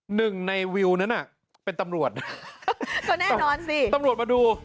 หนึ่งในวิวนั้นน่ะเป็นตำรวจก็แน่นอนสิตำรวจมาดู